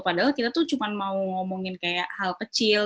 padahal kita tuh cuma mau ngomongin kayak hal kecil